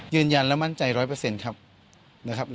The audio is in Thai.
ยืนยันและมั่นใจร้อยเปอร์เซ็นต์ครับ